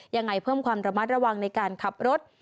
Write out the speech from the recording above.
ยังไงเพิ่มความระมัดระวังในการขับรถ